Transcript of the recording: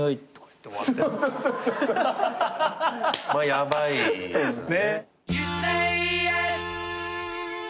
ヤバいですね。